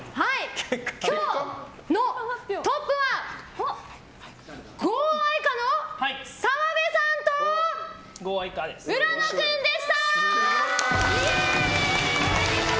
今日のトップは５Ａｉｃａの澤部さんと浦野君でした！